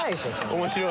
面白い。